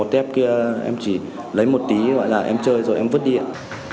tép kia em chỉ lấy một tí em chơi rồi em vứt điện